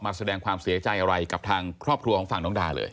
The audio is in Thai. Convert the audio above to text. แสดงความเสียใจอะไรกับทางครอบครัวของฝั่งน้องดาเลย